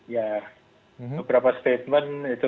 ya beberapa statement itu